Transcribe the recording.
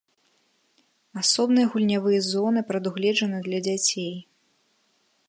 Асобныя гульнявыя зоны прадугледжаны для дзяцей.